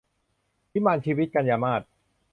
วิมานชีวิต - กันยามาส